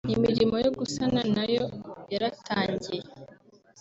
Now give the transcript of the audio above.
Imirimo yo gusana nayo yaratangiye